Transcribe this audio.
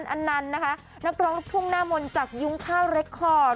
อันนั้นนะคะนักร้องลูกทุ่งหน้ามนต์จากยุ้งข้าวเรคคอร์ด